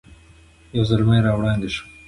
یو زلمی را وړاندې شو.